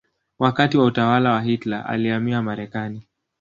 Wakati wa utawala wa Hitler alihamia Marekani.